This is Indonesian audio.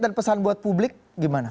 dan pesan buat publik gimana